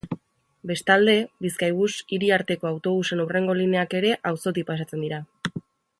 Bestalde, Bizkaibus hiri-arteko autobusen hurrengo lineak ere auzotik pasatzen dira.